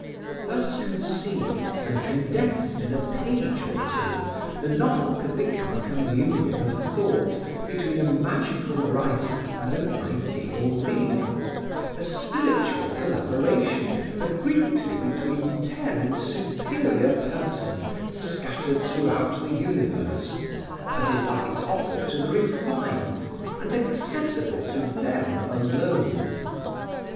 Thus conceived and condensed in a page or two, the novel could become a communion of thought between a magical writer and an ideal reader, a spiritual collaboration agreed to between ten superior persons scattered throughout the universe, a delight offered to the refined, and accessible to them alone.